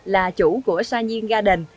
là chủ của sa nhiên garden